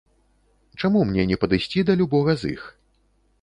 Чаму мне не падысці да любога з іх?